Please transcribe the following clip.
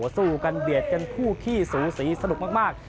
สู้กันเบียดกันคู่ขี้สูสีสนุกมาก